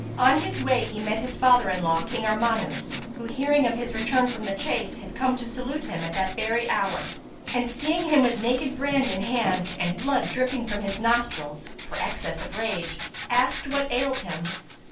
On his way he met his father in law, King Armanus who, hearing of his return from the chase, had come to salute him at that very hour and, seeing him with naked brand in hand and blood dripping from his nostrils, for excess of rage, asked what ailed him.